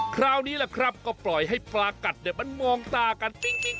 คราวนี้แหละครับก็ปล่อยให้ปลากัดมันมองตากันปิ้ง